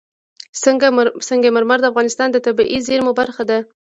سنگ مرمر د افغانستان د طبیعي زیرمو برخه ده.